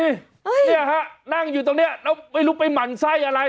เนี่ยฮะนั่งอยู่ตรงนี้แล้วไม่รู้ไปหมั่นไส้อะไร